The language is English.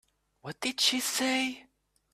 What did she say?